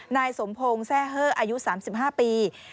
นายสมโพงแทร่เฮออายุ๓๕ปี